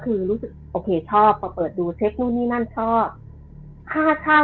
คือเรื่องนี้มันเกิดมาประสบการณ์ของรุ่นนี้มันเกิดมาประสบการณ์ของรุ่นนี้มัน